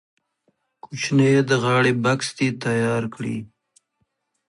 کوچنی د غاړې بکس دې تیار کړي.